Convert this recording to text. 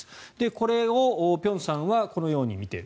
これを辺さんはこのように見ている。